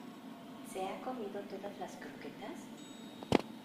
¿ se ha comido todas las croquetas?